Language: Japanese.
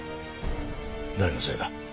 誰のせいだ？